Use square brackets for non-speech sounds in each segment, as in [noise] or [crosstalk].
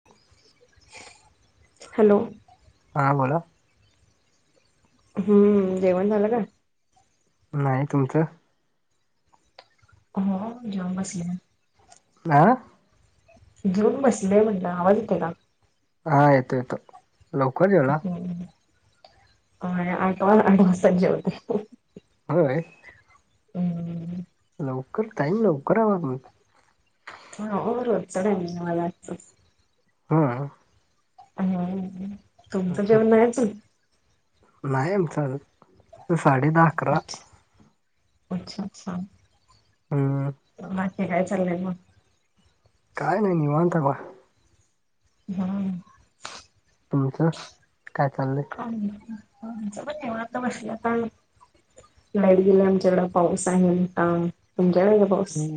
[inaudible] Hello. हां बोला. हम्म जेवण झालं का. नाही तुमचं. हम्म जेवून बसले. आ. जेऊन बसले म्हणल आवाज येते का. हा, येतो, येतो. लवकर जेवला हम्म, होय आठवा आठवाजताच जेवते. होय. हम्म. लवकर टाईम लवकर आवरलं. व्हय ओ रोजच टाईम माझं आजच. हम् हम तुमचं जेवण नाही आजून. नाही आमच आजुन, साडे दहा. [inaudible] अकरा हे हम्म काय चाललंय मग. काय नाही निवांत हाय बघा. हम् तुमच काय चाललंय. आमच पण निवांत वर्ष जातय. [unintelligible] लाईट गेल्या आमच्याकडे, पाऊस आहे मोठा. तुमच्याकडे आहे का पाऊस? ह्म्म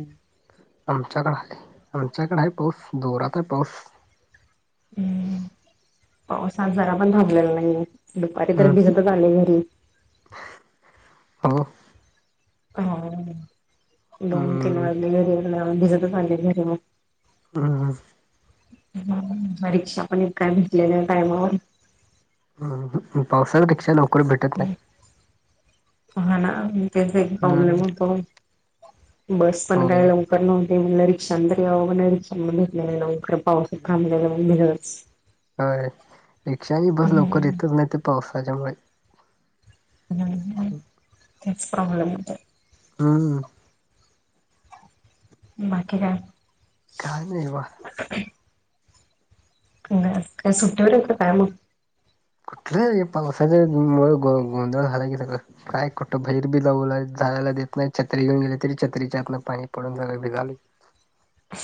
आमच्याकडे आहे, आमच्याकडे आहे पाऊस जोरात आहे पाऊस. हम्म पावसात जरा पण थांबलेला नाहीये दुपारी तरी हम्म भिजतच आले घरी. हो हो दोन तीन हम्म वाजले घरी राहून भिजतच आले घरी मग हम [unintelligible] [unintelligible] परीक्षा पण इतकाय भेटलेल्या टायमावर ह पावसाळ्यात रिक्षा लवकर भेटत नाही. हा ना तेच एक प्रॉब्लेम हम्म होतो बस पण होय काय लव पण मग ते रिक्षाने तरी यावे म्हणे रिक्षा नाही भेटलेल लवकर पाऊस थांबलेला युनिव्हर्स होय रिक्षा आणि बस लवकर येतच नाही ते पावसाच्या वर ह [unintelligible] तेच प्रॉब्लेम येतो. हम्म [unintelligible] बाकी काय काय नाहीवा ह काय सु्टवर काय मु [unintelligible] कुठलं हे पावसाच्या मुग मुळे गोंधळ झालाय की सगळं बायको तर बहीर बी लहु लाई चाळायला देत नाही, छत्री घेऊन गेले तरी छत्रीच्या आतंल पाणी पडून झा भिघाले [unintelligible]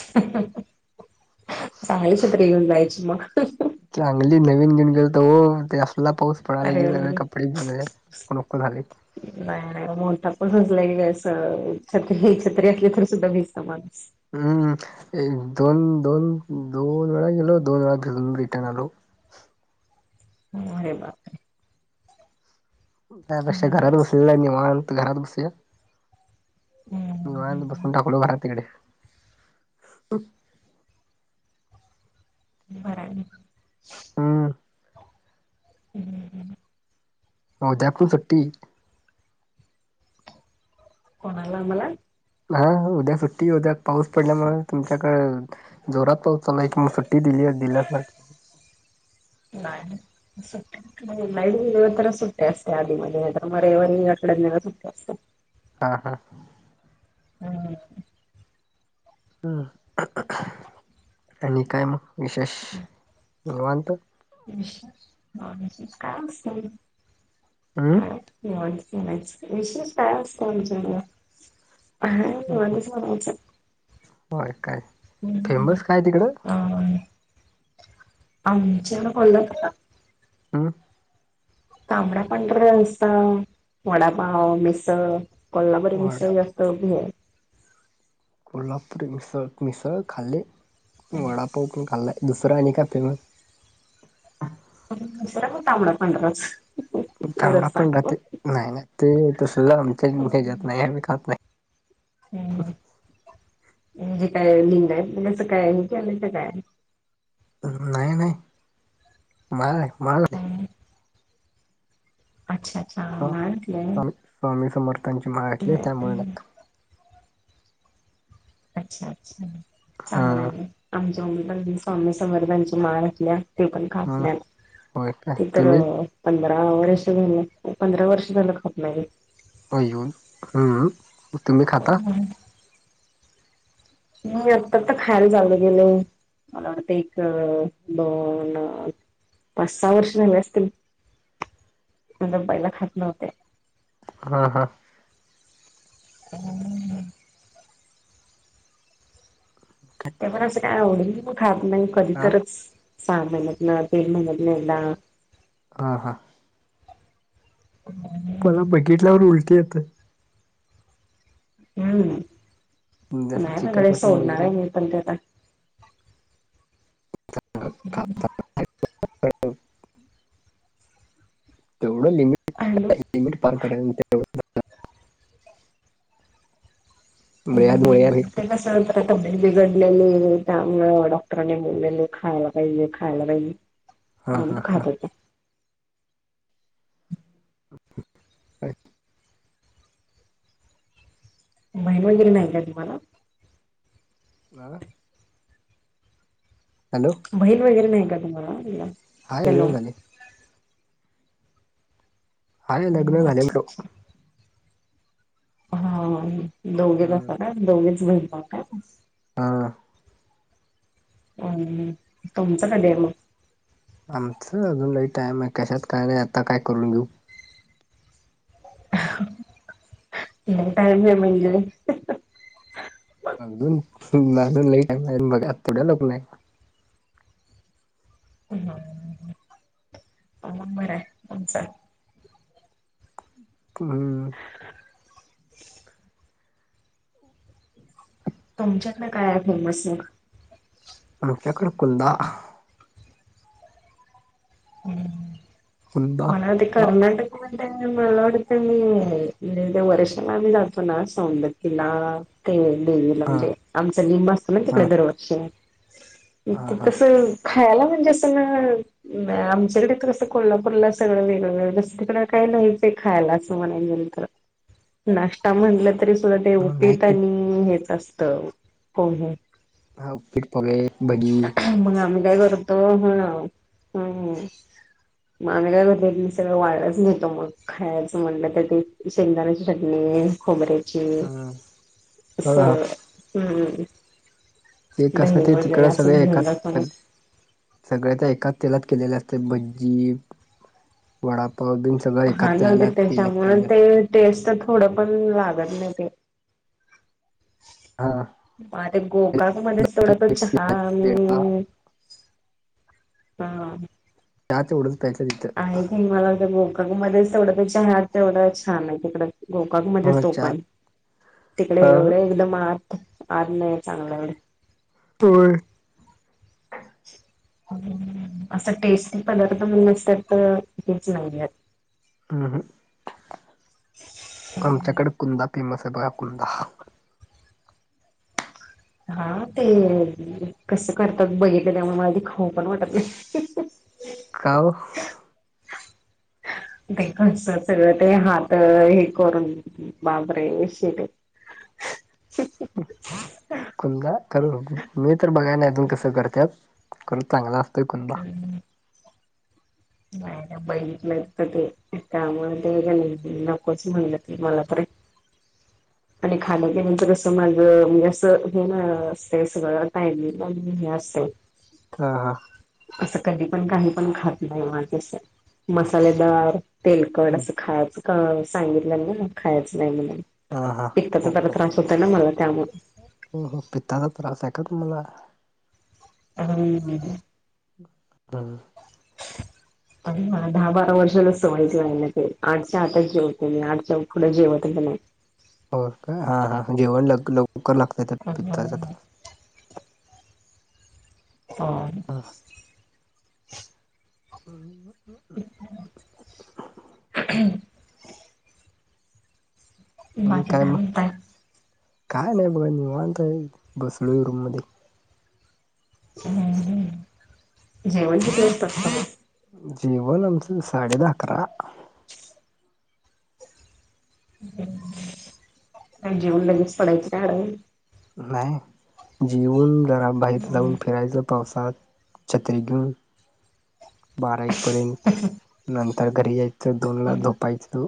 चांगली छत्री घेऊन जायची मग चांगली नवीन घेऊन गेलतो हो ते असला पाऊस पळाले अरे गेले ना अरे कपडे सगळे नको झाले. नाही नाही बोलता पण रुजल गेल असं छत्री छत्रीत असले सुद्धा भिजत माणूस हम् दोन दोन दोन वेळा गेलो दोन वेळा घेऊून रिटर्न आलो. होय बात त्यापेक्षा घरात अवघडच बसेलल निवांत घरात बसलेल डोळ्यात हम्म बसून टाकवलो घरात तिकडे बराय [unintelligible] ह [unintelligible] ह [unintelligible] हो त्यातपन सुट्टी कोणाला मला हा उद्या सुट्टी उद्या पाऊस पडल्यामुळे तुमच्याकडे जोरात पाऊस चालला एक मग सुट्टी दिली आहे दिल्यासारख नाही सुट्टी [inaudible] लाईव्ह दिले तरच सुट्टी असते आधीमध्ये, नाहीतर मग रविवारी [unintelligible] सुट्टी असते. हा हा हम [inaudible] हम् [unintelligible] आणि काय मग विशेष निवांत विशेष नॉन विशेष काय असतय. हमं [unintelligible] विशेष काय असतय आमच्या घरात हाय हे निवानीच म्हणायचं. होय काय हम्म. फेमस काय तिकडं अ [unintelligible] आमच्या कोल्हापूरला [inaudible] तांबडा, पांढरा रस्सा, वडापाव, मिसळ कोल्हापरी वडा मिसळ. [unintelligible] कोल्हापुरी मिसळ मिसळ खाल्ली वडापाव पण खाल्ला आहे दुसरा आणि काय फेमस? दुसरा पण तांबडा पांढर रस्सा. तांबडा पांढरा ते नाही नाही ते तसलं आमच्या हे ज्यात नाही आम्ही खात नाही. हम्म हम्म म्हणजे काय लिंगायत [unintelligible] काय हे केलंय का काय? नाही नाही मला नाही माळ घातली. अच्छा अच्छा आहे माळ घातली. स्वामी स्वामी समर्थांची माळ घातलीय त्यामुळे नाही खात. अच्छा अच्छा हा चांगलं आहे की, आमच्या मम्मी पण स्वामी समर्थांची माळ घातलीया. ती पण खात ह नाही होय काय ती तर तुम्ही पंधरा वर्ष झालं, पंधरा वर्ष झालं खात नाही. [unintelligible] मग तुम्ही खाता? हम्म मी आता आता खायला चालू केलो. मला वाटते एक दोन पाच सहा वर्ष झाले असतील? नाही तर पहिला खात नव्हते. हा हा. हम्म. ते पण असं काय आवडत नाही, खात नाही कधी हा तरचं सहा महिन्यातनं तीन महिन्यातनं एकदा. हा हा. हम्म. पण बघितल्यावर उलटी येतय. हम्म जसं चिकन नाही [unintelligible] मटन बघितलं सोडणारे की मी पण ते आता. [unintelligible] तेवढं लिमिट हॅलो लिमिट पार [unintelligible] [unintelligible] जरा तब्येत बिघडलेली त्यामुळं डॉक्टरांनी बोललेले खायला पाहिजे खायला पाहिजे. हा मग हा हा खात होते. बहीन वगैर नाही का तुम्हाला? आ? हॅलो. बहीण वगैरे नाही का तुम्हाला म्हणलं? हाय हॅलो लग्न झाले. हाय लग्न हम्म झाले अच्छा ना. [unintelligible] अच्छा हा दोघेच असता काय? दोघेच बहीण भाऊ काय? हा. हा हा तुमचं कधी आहे मग? आमचं अजून लई टाईम आहे, कशात काय नाही आता काय करून घेऊ? लई टाईम आहे म्हणजे? अजून अजून लई टाईम आहे मग आता का लग्न नाही. हा हा मग बरंय तुमचं. हम्म. [inaudible] तुमच्यातलं काय आहे फेमस मग? आपल्याकडे कुलदा हम्म [inaudible] कुंदा म्हणून ते हा कर्नाटक म्हणतात. मला वाटत मी वर्षान आम्ही जातो ना, सौंदतीला ते देविला म्हणजे, आमचं लिंब असत ना तिकडे, हा दरवरष एक हा तर कसं खायला म्हणजे असं ना नाही. आमच्याकडे तर कसं कोल्हापूरला सगळं वेगळं, वेगळंसं. तिकडं काही नाहीच आहे खायला असं म्हणायला गेलं तर [inaudible] नाष्टा म्हणलं तरी सुद्धा ते हा उपीट नाही आणि हेच असत. कोण हा पेटकुले, म्हनी नाही मग आम्ही काय करतो? हा, हम् [unintelligible] सगळं वायाच नेतं मग, खायचं म्हणलं तरी शेंगदाण्याची चटणी खोबरे चे हा असं हम्म ते कसं दही ते तिकड वगैरे ते असं सगळे घेऊन जातो एकात मग सगळे त्या एकाच तेलात केलेले असते. भज्जी [inaudible] वडापाव बिन सगळं एका तेलात केलं की गं. तेच तर थोडं पण लागत नाही तेल हा [unintelligible] हा. आहे [unintelligible] मला ते गोकां मध्येच [unintelligible] तेवढं एक छान आहे तिकड. गोकां मध्ये हा तो चहा पण, [inaudible] तिकडे हा एवढे एकदम आज नाही चांगलं एवढं. तोय [inaudible] असं टेस्टी पदार्थ म्हण नसतं, तर हेच नाहीये. अहं [inaudible] आमच्याकडे कुंदा फेमस आहे, बघा कुंदा. हा ते, कसं करतात बघितलं त्यामुळं, मला ते खाउ पण वाटत नाही. का ओ? बाई गं, असं सगळं ते हात हे करून. बाबरे! शी बाई. [inaudible] कुंदा करू. मी तर बघाय ना अजून कसं करत्यात? करून चांगला असतोय कुंदा. नाही ना, बघिलत एकतर ते त्यामुळे ते म्हणे नकोच म्हणलं ते. मला परत आणि खालं कि त्याचं कसं, माझं म्हणजे असं हे नसतं, सगळं टाईमिंग हे असत. हा हा. असं कधी पण काही पण खात नाही माझे असं. मसालेदार तेलकड असं खायचं, सांगितलं ना खायचं नाही ना खायाचं म्हणून. हा हा पित्ताचा हो जरा हो त्रास होतय ना मला त्यामुळं. हो हो. पित्ताचा त्रास आहे का तुम्हाला? हम्, हं हं. [inaudible] बरं. आणि मला दहा बारा वर्षाला सवयचं राहिलं ते. आमच्या आातच जेवते मी. आटच्या उकुढं जेवत नाही. हो का. हा, हा. जेवण ल लवकर लागतौय त्याला, पित्याच्या त्रास हा. [inaudible] [inaudible] [unintelligible] म बाकी काय म? म्हणताय? काय नाही बघा निवांतय, बसलोय रूम मध्ये. हं हं. जेवण किती वाजता असतं मग? जेवन आमचं साडे दहा- अकरा. हं हं. जेवून लगेच पडायच का आडव? नाही. जेऊन जरा बाहेर जाऊन अडवण फिरायचं पावसात. छत्री घेऊन, बारा एक पर्यंत. नंतर घरी येत यचं दोनला झोपायचं.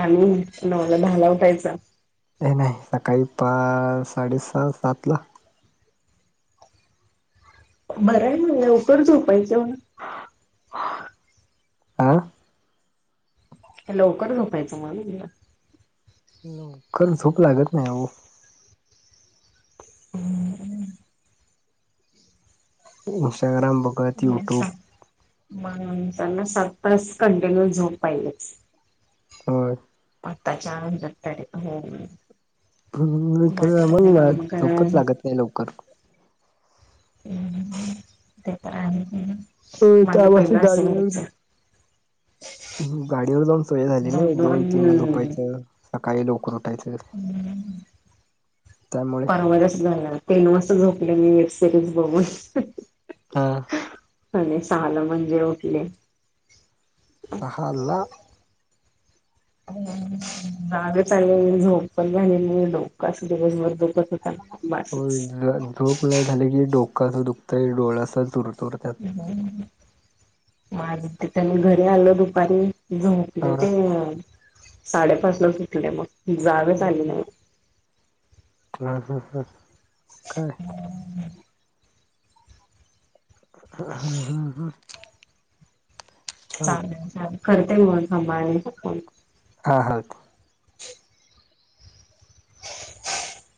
आणि नवाला दहाला उठायच? नाही नाही. सकाळी पा साडेसहा- सातला. बरं आहे मग लकर झोपायचं म्हणा. आ? लवकर झपायचं म म्हणलं. लवकर झोप लागत नाही ओ. हं हं. इंस्टाग्राम बघत, यूट्यूब म त्यांना सात तास कंटिन्यू झोप पाहिजेच. होय. आत्ताच्या आन [unintelligible] हो हो. हं, खरं जर म्हणाला काम झोपच करा लागत नाही लवकर. हं हं. ते पण आहेच म्हणा. हो माझं पहिलं आम्हासनी असं व्हायचं. हं, गाडीवर जाऊन सवय झाली ना. दोन तीन ला झोपायचं, सकाळी लोकर उठायचं. हं हं. त्यामुळे परवा कसं जाणार? तीन वाजता झोपले मी वेब सिरीज बघून. हा. आणि सहालं म्हणजे उठले. सहाला? हं, जागच आलेली, झोप पण झालेली नाही. डोकं अस दिवसभर दुखत होतं. होय झ झोप नाही झाली की डोकं असं दुखतंय, डोळ अस चुरचूरतात. हं हं. म आज त्यांनी घरी आल दुपारी. हा झोपले ते साडेपाच ला उठले मग जागच आली नाही. हं हं हं, काय? हं हं हं हं. चालेल चाल करते म [unintelligible] फोन. हा हा. [inaudible]